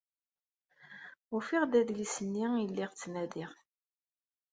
Ufiɣ-d adlis-nni ay lliɣ ttnadiɣ-t.